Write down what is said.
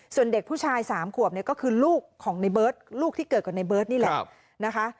ส่วนเด็กผู้ชาย๓ขวบเนี่ยก็คือลูกของในเบิร์ตลูกที่เกิดกับในเบิร์ตนี่แหละนะคะ